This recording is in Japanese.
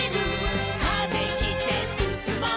「風切ってすすもう」